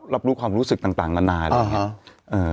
รับรู้ความรู้สึกต่างนานาอะไรอย่างนี้